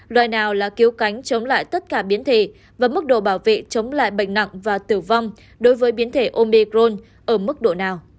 loại nào là cứu cánh chống lại tất cả biến thể và mức độ bảo vệ chống lại bệnh nặng và tử vong đối với biến thể omi grone ở mức độ nào